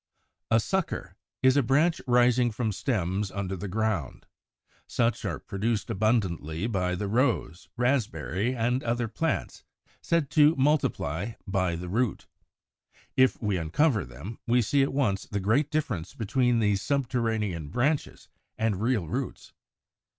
94. =A Sucker= is a branch rising from stems under ground. Such are produced abundantly by the Rose, Raspberry, and other plants said to multiply "by the root." If we uncover them, we see at once the great difference between these subterranean branches and real roots.